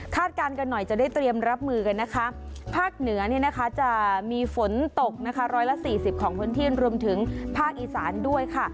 คาดการณ์กันหน่อยจะได้เตรียมรับมือกันนะคะภาคเหนือจะมีฝนตกร้อยละ๔๐ของพื้นที่รวมถึงภาคอีสานด้วยค่ะ